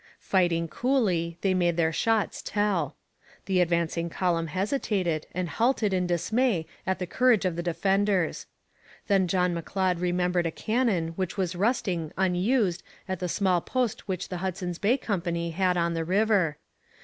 Fighting coolly, they made their shots tell. The advancing column hesitated and halted in dismay at the courage of the defenders. Then John M'Leod remembered a cannon which was rusting unused at the small post which the Hudson's Bay Company had on the river.